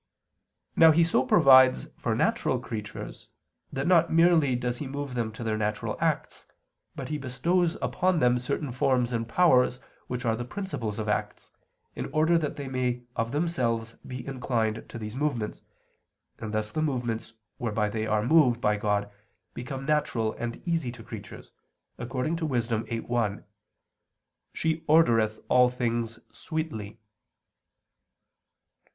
Now He so provides for natural creatures, that not merely does He move them to their natural acts, but He bestows upon them certain forms and powers, which are the principles of acts, in order that they may of themselves be inclined to these movements, and thus the movements whereby they are moved by God become natural and easy to creatures, according to Wis. 8:1: "she ... ordereth all things sweetly."